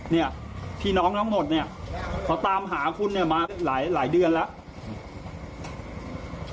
เนี่ยพี่น้องทั้งหมดเนี่ยเขาตามหาคุณเนี่ยมาหลายเดือนแล้ว